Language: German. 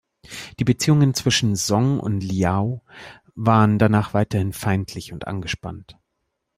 Die Beziehungen zwischen Song und Liao waren danach weiterhin feindlich und angespannt.